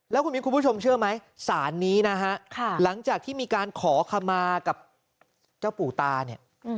แล้วคุณมิ้นคุณผู้ชมเชื่อไหมสารนี้นะฮะหลังจากที่มีการขอขมากับเจ้าปู่ตาเนี่ย